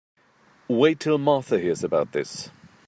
Wait till Martha hears about this.